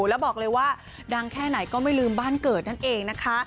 แล้วบอกเลยว่าดังแค่ไหนก็ไม่ลืมบ้านเกิดนั่นเองนะคะ